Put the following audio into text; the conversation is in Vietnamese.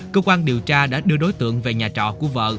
cơ quan điều tra đã đưa đối tượng về nhà trọ của vợ